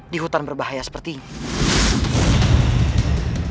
di hutan berbahaya sepertinya